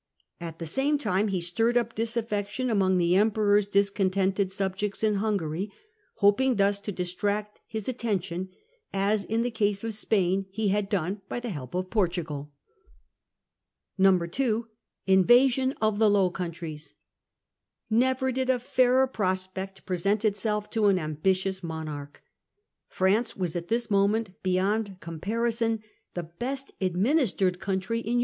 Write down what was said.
At the same time he stirred up disaffection among the Emperor's discontented subjects in Hungary, hoping thus to distract his attention, as in the case of Spain he had done by the help of Portugal. 2. Invasion of the Low Countries. Never did a fairer prospect present itself to an ambi tious monarch. France was at this moment beyond Readiness comparison the best administered country in of Louis.